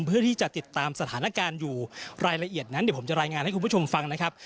เพื่อที่จะติดตามสถานการณ์อยู่รายละเอียดนั้นเดี๋ยวผมจะรายงานให้คุณผู้ชมฟังนะครับ